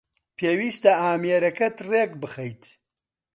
پێویستە ئامێرەکەت رێک بخەیت